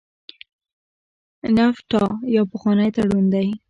نفټا یو پخوانی تړون و.